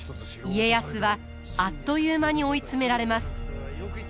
家康はあっという間に追い詰められます。